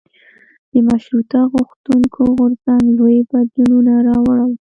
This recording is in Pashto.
د مشروطه غوښتونکو غورځنګ لوی بدلونونه راوړل.